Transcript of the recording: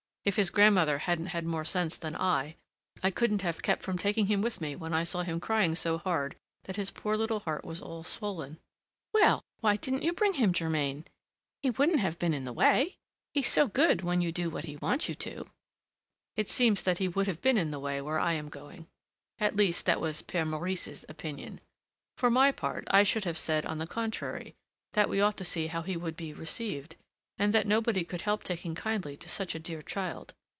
"If his grandmother hadn't had more sense than I, I couldn't have kept from taking him with me when I saw him crying so hard that his poor little heart was all swollen." "Well! why didn't you bring him, Germain? he wouldn't have been in the way; he's so good when you do what he wants you to." "It seems that he would have been in the way where I am going. At least, that was Père Maurice's opinion. For my part, I should have said, on the contrary, that we ought to see how he would be received, and that nobody could help taking kindly to such a dear child.